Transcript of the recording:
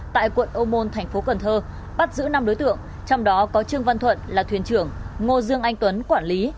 tại quận ô môn tp cn bắt giữ năm đối tượng trong đó có trương văn thuận là thuyền trưởng ngô dương anh tuấn quản lý